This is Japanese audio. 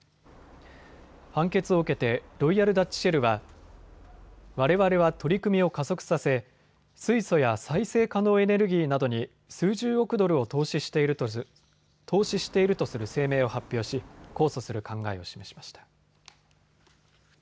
判決を受けてロイヤル・ダッチ・シェルはわれわれは取り組みを加速させ水素や再生可能エネルギーなどに数十億ドルを投資しているとする声明を発表し、控訴する考えを示しました。